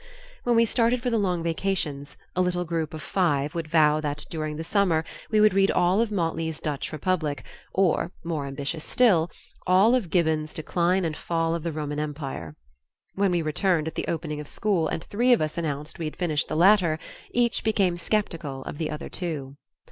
When we started for the long vacations, a little group of five would vow that during the summer we would read all of Motley's "Dutch Republic" or, more ambitious still, all of Gibbon's "Decline and Fall of the Roman Empire." When we returned at the opening of school and three of us announced we had finished the latter, each became skeptical of the other two.